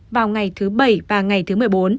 vào ngày thứ bảy và ngày thứ một mươi bốn